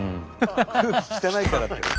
「空気汚いから」って。